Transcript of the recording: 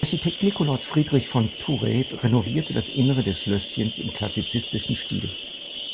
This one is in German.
Architekt Nikolaus Friedrich von Thouret renovierte das Innere des Schlösschens im klassizistischen Stil.